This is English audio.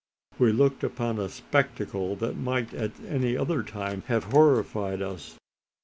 We looked upon a spectacle that might at any other time have horrified us.